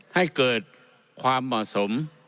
ให้เกิดความเหมาะสม